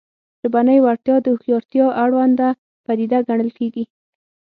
ژبنۍ وړتیا د هوښیارتیا اړونده پدیده ګڼل کېږي